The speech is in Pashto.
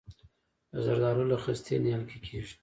د زردالو له خستې نیالګی کیږي؟